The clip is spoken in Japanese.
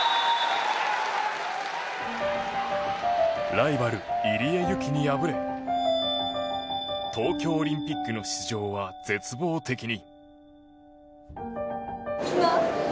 ライバル、入江ゆきに敗れ東京オリンピックの出場は絶望的に。